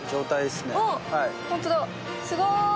すごーい！